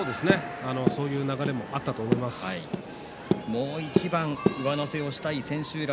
もう一番上乗せしたい千秋楽。